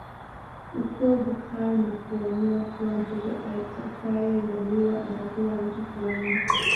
Ukoo hukaa na kuamua kuwa mtoto atakayezaliwa atapewa mtu fulani